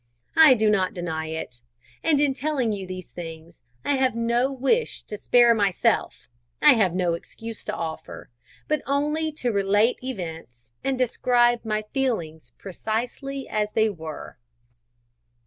I do not deny it. And in telling you these things I have no wish to spare myself, I have no excuse to offer, but only to relate events and describe feelings precisely as they were.